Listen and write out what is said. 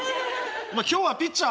お前今日はピッチャー